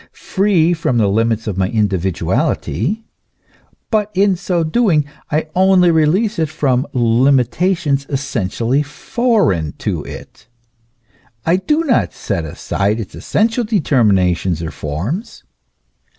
free from the limits of my individuality; but in so doing I only release it from limitations essentially foreign to it ; I do not set aside its essential determinations or forms.